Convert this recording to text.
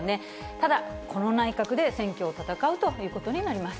ただ、この内閣で選挙を戦うということになります。